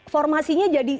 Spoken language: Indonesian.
formasinya jadi gila